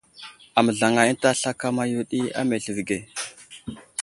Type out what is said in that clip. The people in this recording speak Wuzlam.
Aməzlaŋay ənta slakama yo ɗi a meltivi age.